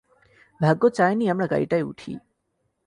ভাগ্য চায়নি আমরা গাড়িটায় উঠি।